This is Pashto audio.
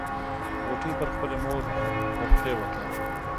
غوټۍ پر خپلې مور ورپريوته.